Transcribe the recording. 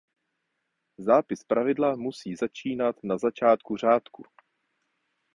Zápis pravidla musí začínat na začátku řádku.